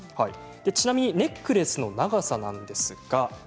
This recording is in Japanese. ちなみにネックレスの長さです。